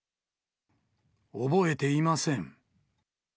覚えていません。